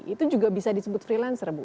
itu juga bisa disebut freelancer bu